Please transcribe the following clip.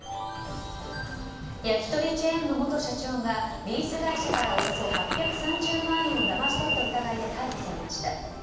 焼き鳥チェーンの元社長がリース会社からおよそ８３０万円をだまし取った疑いで逮捕されました。